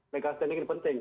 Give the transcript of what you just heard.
legal standing ini penting